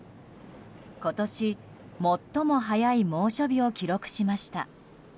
今年、最も早い猛暑日を記録しました。